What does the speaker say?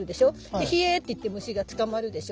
でヒエーって言って虫がつかまるでしょ。